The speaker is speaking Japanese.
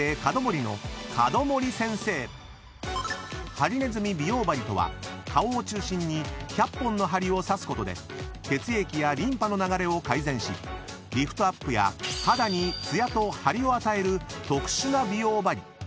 ［ハリネズミ美容鍼とは顔を中心に１００本の鍼を刺すことで血液やリンパの流れを改善しリフトアップや肌につやと張りを与える特殊な美容鍼］